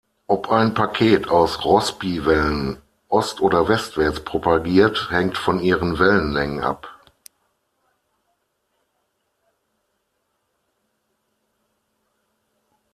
Ob ein Paket aus Rossby-Wellen ost- oder westwärts propagiert, hängt von ihren Wellenlängen ab.